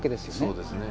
そうですね。